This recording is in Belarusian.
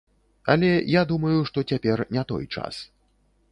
Але я думаю, што цяпер не той час.